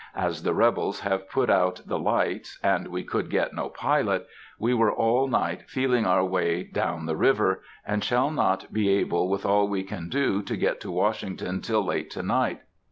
As the rebels have put out the lights, and we could get no pilot, we were all night feeling our way down the river, and shall not be able, with all we can do, to get to Washington till late to night.